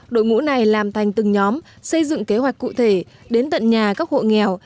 đội ngũ này làm thành từng nhóm xây dựng kế hoạch cụ thể đến tận nhà các hộ nghèo